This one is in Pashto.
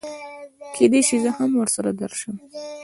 کېدی شي زه هم ورسره درشم